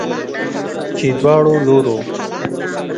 چې دواړو لورو